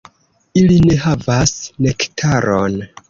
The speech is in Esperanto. Ili ne havas nektaron.